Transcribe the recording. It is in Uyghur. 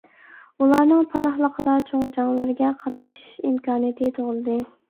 ئۇلارنىڭ پاناھلىقىدا چوڭ جەڭلەرگە قاتنىشىش ئىمكانىيىتى تۇغۇلدى.